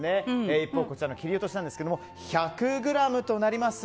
一方、切り落としですが１００ｇとなります。